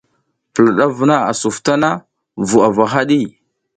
Pula ɗaf vuna a suf tana vu ava haɗi.